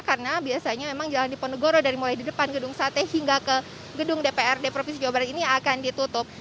karena biasanya memang jalan diponegoro dari mulai di depan gedung sate hingga ke gedung dprd provinsi jawa barat ini akan ditutup